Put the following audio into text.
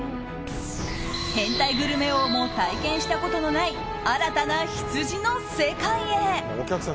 変態グルメ王も体験したことのない新たな羊の世界へ。